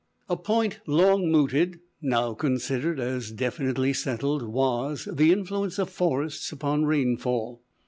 A point long mooted, now considered as definitely settled, was, the influence of forests upon rainfall.